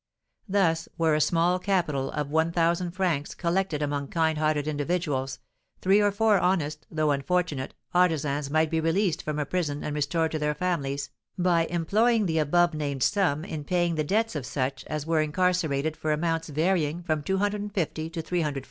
Thus, were a small capital of 1000_f._ collected among kind hearted individuals, three or four honest, though unfortunate, artisans might be released from a prison and restored to their families, by employing the above named sum in paying the debts of such as were incarcerated for amounts varying from 250 to 300_f.